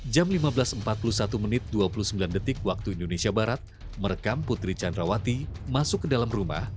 jam lima belas empat puluh satu menit dua puluh sembilan detik waktu indonesia barat merekam putri candrawati masuk ke dalam rumah